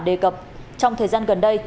đề cập trong thời gian gần đây